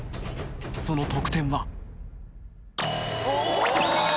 その得点はおぉ！